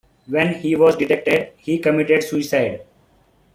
When he was detected, he committed suicide.